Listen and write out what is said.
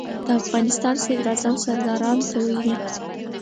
د افغانستان صدراعظم سردارانو ته ویلي.